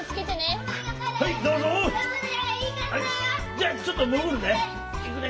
じゃあちょっともぐるね。